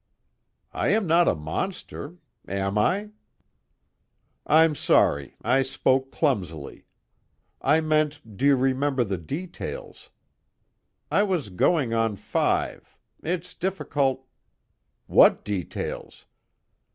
"I am not a monster. Am I?" "I'm sorry, I spoke clumsily. I meant, do you remember the details? I was going on five it's difficult " "What details?